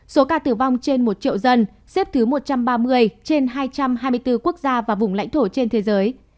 số ca tử vong trên một triệu dân xếp thứ một trăm ba mươi trên hai trăm hai mươi bốn quốc gia và vùng lãnh thổ trên thế giới